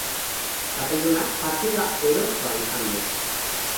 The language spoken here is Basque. Txapeldunak partida erosoa izan du.